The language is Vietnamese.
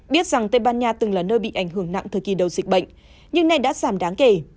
biết rằng tây ban nha từng là nơi bị ảnh hưởng nặng thời kỳ đầu dịch bệnh nhưng nay đã giảm đáng kể